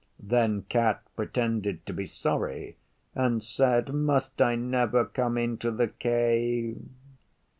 Then Cat pretended to be sorry and said, 'Must I never come into the Cave?